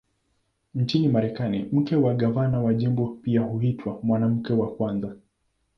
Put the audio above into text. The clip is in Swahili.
Nchini Marekani, mke wa gavana wa jimbo pia huitwa "Mwanamke wa Kwanza".